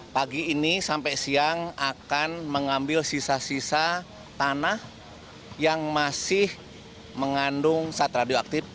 pagi ini sampai siang akan mengambil sisa sisa tanah yang masih mengandung zat radioaktif